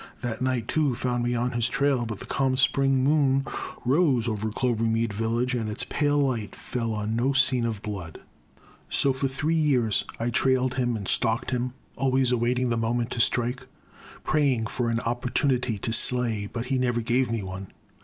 That night too found me on his trail, but the calm The Crime. 267 Spring moon rose over Clovermead village and its pale light fell on no scene of blood. So for three years I trailed him and stalked him, always awaiting the moment to strike, — ^pra5dng for an opportunity to slay; but he never gave me one.